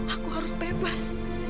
aku harus bebas